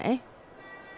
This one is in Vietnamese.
sức mạnh mẽ